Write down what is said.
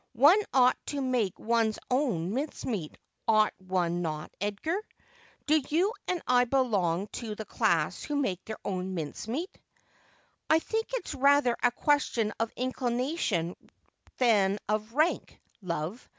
One ought to make one's own mincemeat, ought one not, Edgar ? Do you and I belong to the class who make their own mincemeat ?'' I think it's rather a question of inclination than of rank, love.